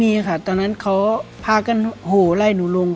นี่ค่ะตอนนั้นเขาพากันโหไล่หนูลง